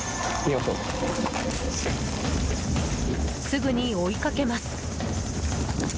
すぐに追いかけます。